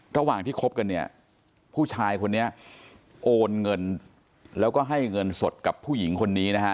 ระหว่างที่คบกันเนี่ยผู้ชายคนนี้โอนเงินแล้วก็ให้เงินสดกับผู้หญิงคนนี้นะฮะ